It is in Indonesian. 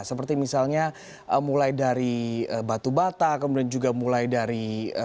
seperti misalnya mulai dari batu bata kemudian juga mulai dari